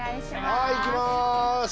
はい行きます。